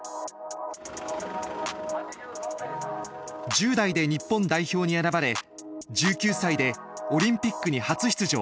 １０代で日本代表に選ばれ１９歳でオリンピックに初出場。